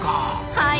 はい。